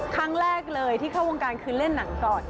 ครั้งแรกเลยที่เข้าวงการคือเล่นหนังก่อน